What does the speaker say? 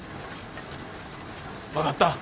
分かった。